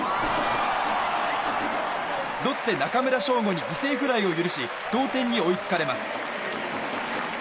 ロッテ、中村奨吾に犠牲フライを許し同点に追いつかれます。